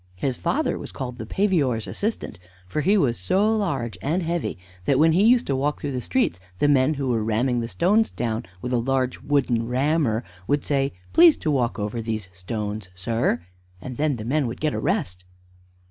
His father was called the "Pavior's Assistant," for he was so large and heavy that, when he used to walk through the streets, the men who were ramming the stones down with a large wooden rammer would say, "Please to walk over these stones, sir," and then the men would get a rest.